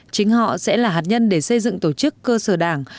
chính họ sẽ là hạt nhân để xây dựng tổ chức cơ sở đảng